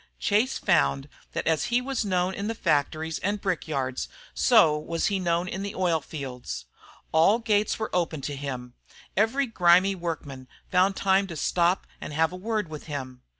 Chase found that as he was known in the factories and brick yards, so was he known in the oil fields. All gates opened to him. Every grimy workman found time to stop and have a word with him.